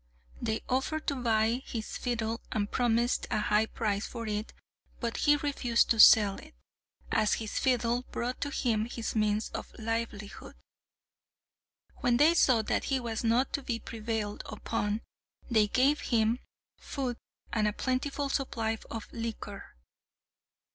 They offered to buy his fiddle and promised a high price for it, but he refused to sell it, as his fiddle brought to him his means of livelihood. When they saw that he was not to be prevailed upon, they gave him food and a plentiful supply of liquor.